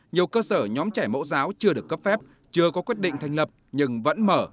nhiều cơ sở nhóm trẻ mẫu giáo chưa được cấp phép chưa có quyết định thành lập nhưng vẫn mở